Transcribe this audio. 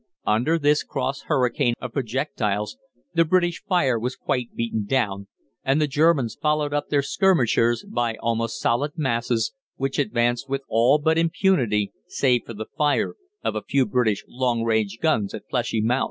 Under this cross hurricane of projectiles the British fire was quite beaten down, and the Germans followed up their skirmishers by almost solid masses, which advanced with all but impunity save for the fire of the few British long range guns at Pleshy Mount.